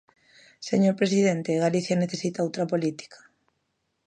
Señor presidente, Galicia necesita outra política.